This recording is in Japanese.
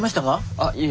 あっいえ。